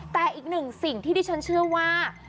แต่อีกหนึ่งสิ่งที่ดิฉันเชื่อว่า